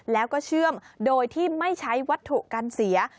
แล้วก็เชื่อมโดยที่ไม่ใช้วัตถุกันเสีย